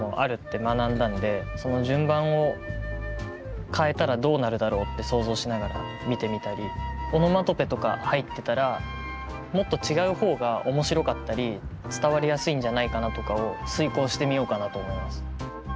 順番を変えたらどうなるだろうって想像しながら見てみたりオノマトペとか入ってたらもっと違う方が面白かったり伝わりやすいんじゃないかなとかを推敲してみようかなと思います。